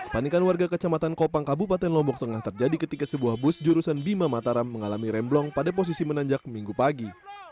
panikan warga kecamatan kopang kabupaten lombok tengah terjadi ketika sebuah bus jurusan bima mataram mengalami remblong pada posisi menanjak minggu pagi